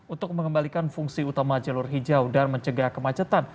untuk mengembalikan fungsi utama jalur hijau dan mencegah kemacetan